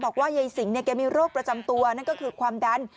บอกว่ายายสิงแกมีโรคประจำตัวนั่นก็คือความดัน